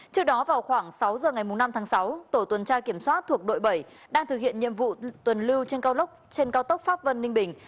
trước đó vào khoảng sáu giờ ngày năm tháng sáu tổ tuần tra kiểm soát thuộc đội bảy đang thực hiện nhiệm vụ tuần lưu trên cao tốc trên cao tốc pháp vân ninh bình